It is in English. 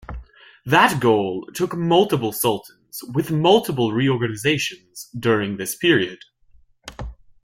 That goal took multiple Sultans with multiple reorganizations during this period.